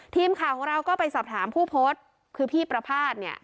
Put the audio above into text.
ทีมข่าวของเราก็ไปสอบถามผู้โพสต์คือพี่ประภาษณ์เนี่ย